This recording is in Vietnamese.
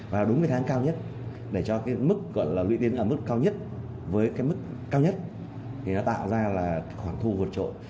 và đúng cái tháng cao nhất để cho cái mức lưu tiên ở mức cao nhất với cái mức cao nhất thì nó tạo ra là khoảng thu vượt trội